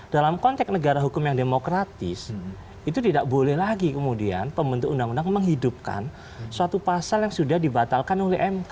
dalam konteks negara hukum yang demokratis itu tidak boleh lagi kemudian pembentuk undang undang menghidupkan suatu pasal yang sudah dibatalkan oleh mk